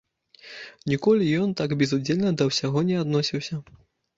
Ніколі ён так безудзельна да ўсяго не адносіўся.